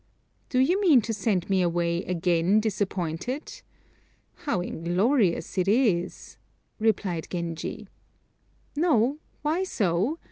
"Do you mean to send me away again disappointed? How inglorious it is," replied Genji. "No; why so?